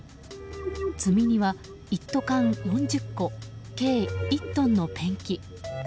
積荷は、一斗缶４０個計１トンのペンキ。